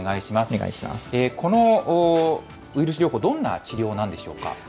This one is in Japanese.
このウイルス療法、どんな治療なんでしょうか。